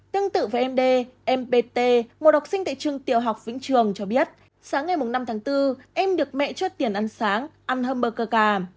tương tự với n d em b t một độc sinh tại trường tiểu học vĩnh trường cho biết sáng ngày năm tháng bốn em được mẹ cho tiền ăn sáng ăn hamburger gà